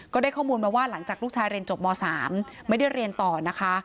ก็ได้ข้อมูลมาว่าหลังจากลูกชายเรียนจบม๓ไม่ได้เรียนต่อนะคะ